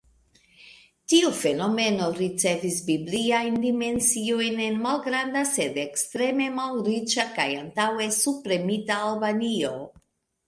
Tiu fenomeno ricevis bibliajn dimensiojn en malgranda sed ekstreme malriĉa kaj antaŭe subpremita Albanio.